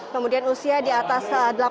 kemudian usia di atas delapan puluh